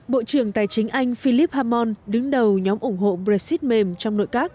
bộ trưởng tài chính anh philip hamon đứng đầu nhóm ủng hộ brexit mềm trong nội các